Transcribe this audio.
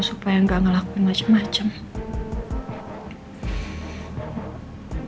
supaya gak ngelakuin macam macamnya